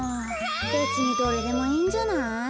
べつにどれでもいいんじゃない？